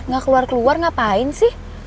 gak keluar keluar ngapain sih